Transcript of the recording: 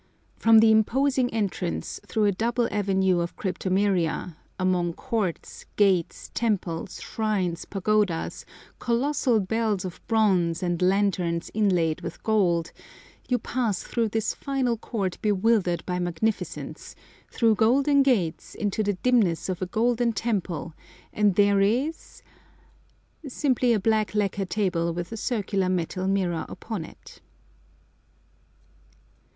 From the imposing entrance through a double avenue of cryptomeria, among courts, gates, temples, shrines, pagodas, colossal bells of bronze, and lanterns inlaid with gold, you pass through this final court bewildered by magnificence, through golden gates, into the dimness of a golden temple, and there is—simply a black lacquer table with a circular metal mirror upon it.